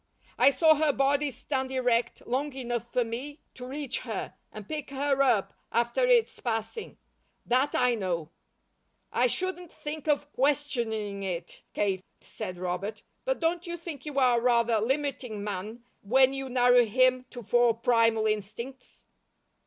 I saw her body stand erect, long enough for me to reach her, and pick her up, after its passing. That I know." "I shouldn't think of questioning it, Kate," said Robert. "But don't you think you are rather limiting man, when you narrow him to four primal instincts?"